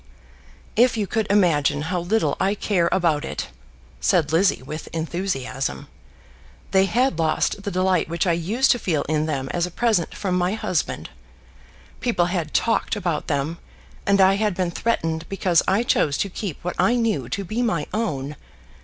"If you could imagine how little I care about it!" said Lizzie with enthusiasm. "They had lost the delight which I used to feel in them as a present from my husband. People had talked about them, and I had been threatened because I chose to keep what I knew to be my own.